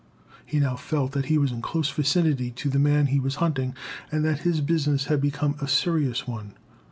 He now felt that he was in close vicinity to the man he was hunting, and that his business had become a serious one.